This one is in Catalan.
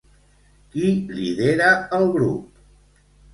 Qui lidera el grup?